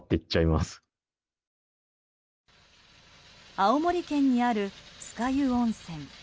青森県にある酸ヶ湯温泉。